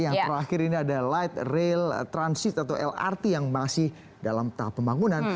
yang terakhir ini ada light rail transit atau lrt yang masih dalam tahap pembangunan